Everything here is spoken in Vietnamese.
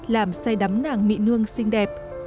làm say đắm nàng mị nương xinh đẹp